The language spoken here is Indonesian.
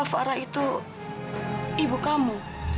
farah itu ibu kamu